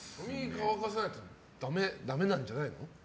乾かさないとダメなんじゃないの？